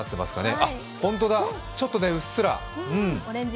あ、ホントだちょっとうっすら。